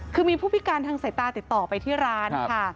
คือมีผู้พิการทางสายตาติดต่อไปที่ร้านค่ะ